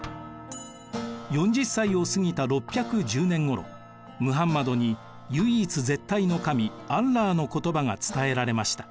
４０歳を過ぎた６１０年ごろムハンマドに唯一絶対の神アッラーの言葉が伝えられました。